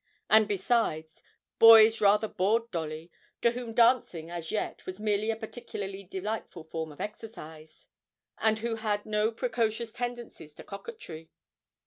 And besides, boys rather bored Dolly, to whom dancing, as yet, was merely a particularly delightful form of exercise, and who had no precocious tendencies to coquetry.